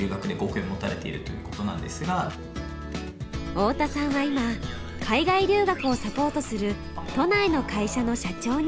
太田さんは今海外留学をサポートする都内の会社の社長に。